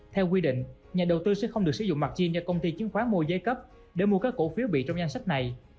theo quy định nhà đầu tư sẽ không được sử dụng mặt chin do công ty chứng khoán mua giới cấp để mua các cổ phiếu bị trong danh sách này